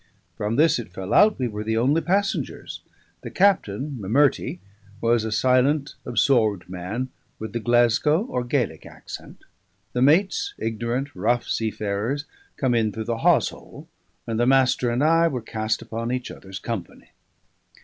From this it fell out we were the only passengers; the Captain, M'Murtrie, was a silent, absorbed man, with the Glascow or Gaelic accent; the mates ignorant rough seafarers, come in through the hawsehole; and the Master and I were cast upon each other's company.